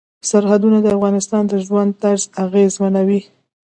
سرحدونه د افغانانو د ژوند طرز اغېزمنوي.